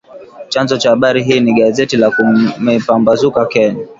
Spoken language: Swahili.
Chanzo cha habari hii ni gazeti la Kumepambazuka, Kenya